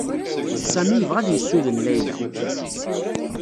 Sami yebɣa ad yessuden Layla.